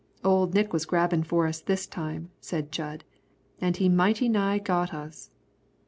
"Old Nick was grabbin' for us this time," said Jud, "an' he mighty nigh got us."